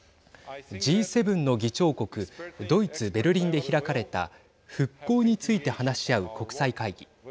Ｇ７の議長国ドイツ、ベルリンで開かれた復興について話し合う国際会議。